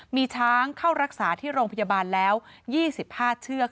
มีช้างเข้ารักษาที่โรงพยาบาลแล้ว๒๕เชือก